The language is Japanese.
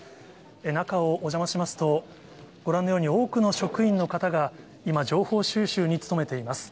中をお邪魔しますと、ご覧のように、多くの職員の方が、今、情報収集に努めています。